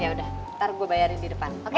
yaudah ntar gue bayarin di depan oke